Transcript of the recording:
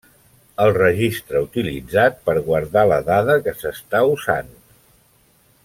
El registre utilitzat per guardar la dada que s'està usant.